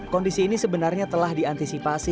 kondisi ini sebenarnya telah diantisipasi